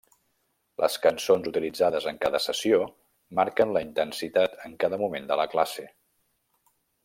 Les cançons utilitzades en cada sessió marquen la intensitat en cada moment de la classe.